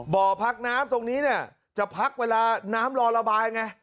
บ่อพักน้ำตรงนี้เนี่ยจะพักเวลาน้ำรอระบายไง